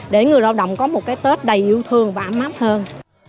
để người lao động có một cái tết đầy yêu thương và ấm áp hơn